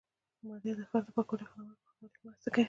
مالیه د ښار د پاکوالي او خدماتو په ښه والي کې مرسته کوي.